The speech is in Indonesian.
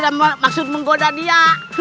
tidak maksud menggoda dia